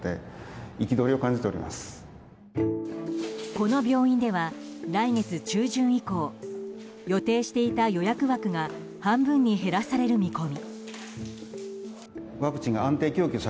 この病院では、来月中旬以降予定していた予約枠が半分に減らされる見込み。